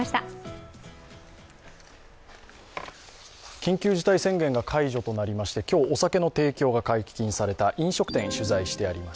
緊急事態宣言が解除となりまして今日、お酒の提供が解禁された飲食店を取材してあります。